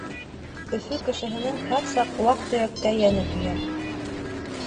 Өфө кешеһенең һәр саҡ ваҡ-төйәккә йәне көйә.